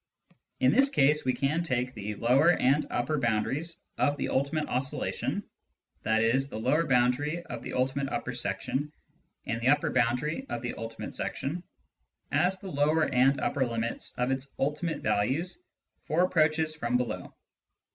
In this case we can take the lower and upper boundaries of the ultimate oscillation (i.e. the lower boundary of the ultimate upper section and the upper boundary of the ultimate section) as the lower and upper limits of its " ultimate " values for approaches from below.